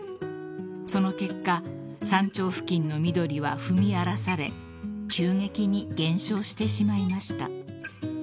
［その結果山頂付近の緑は踏み荒らされ急激に減少してしまいました］